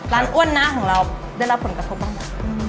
อ้วนนะของเราได้รับผลกระทบบ้างไหม